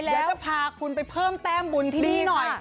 เดี๋ยวจะพาคุณไปเพิ่มแต้มบุญที่นี่หน่อย